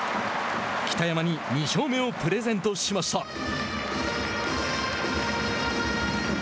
北山に２勝目をプレゼントしました。